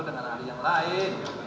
dengan ahli yang lain